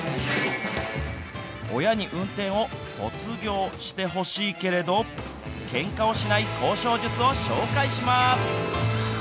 親に運転を卒業してほしいけれどけんかをしない交渉術を紹介します。